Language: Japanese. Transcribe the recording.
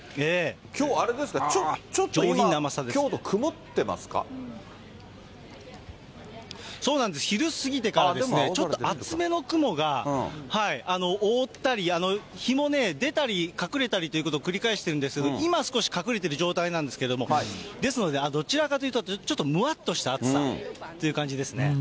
きょうあれですか、ちょっとそうなんです、昼過ぎてからですね、ちょっと厚めの雲が覆ったり、日もね、出たり隠れたりということを繰り返してるんですけれども、今、少し隠れている状態なんですけども、ですのでどちらかというと、ちょっとむわっとした暑さという感じですね。